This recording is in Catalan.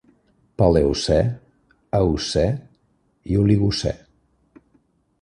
Paleocè, Eocè i Oligocè.